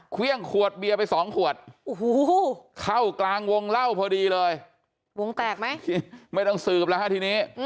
เครื่องขวดเบียร์ไปสองขวดโอ้โหเข้ากลางวงเล่าพอดีเลยวงแตกไหมไม่ต้องสืบแล้วฮะทีนี้